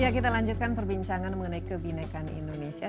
ya kita lanjutkan perbincangan mengenai kebinekaan indonesia